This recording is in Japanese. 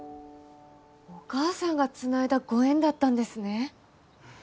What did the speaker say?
お母さんがつないだご縁だったんですね。